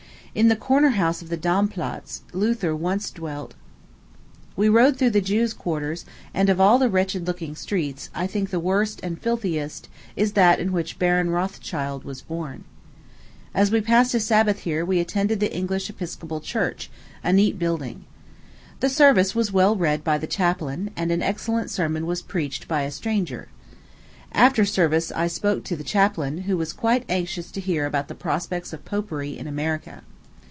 In the corner house of the Dom Platz, Luther once dwelt We rode through the Jews' quarters; and, of all the wretched looking streets, I think the worst and filthiest is that in which Baron Rothschild was born. As we passed a Sabbath here, we attended the English Episcopal Church, a neat building. The service was well read by the chaplain, and an excellent sermon was preached by a stranger. After service I spoke to the chaplain, who was quite anxious to hear about the prospects of Popery in America.